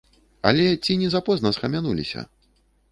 Але ці не запозна схамянуліся?